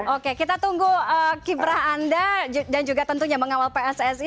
oke kita tunggu kibrah anda dan juga tentunya mengawal pssi